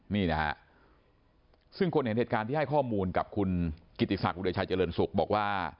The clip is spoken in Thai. นี่นะฮะซึ่งคนเห็นเหตุการณ์ที่ให้ข้อมูลกับคุณกิติศักดิชัยเจริญสุขบอกว่า